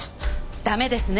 駄目ですね。